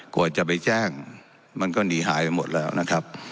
กว่าจะไปแจ้งมันก็หนีหายไปหมดแล้วนะครับ